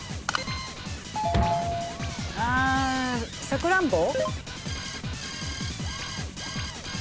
サクランボ？